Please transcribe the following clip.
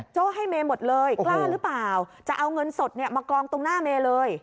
ให้เมย์หมดเลยกล้าหรือเปล่าจะเอาเงินสดเนี่ยมากองตรงหน้าเมย์เลย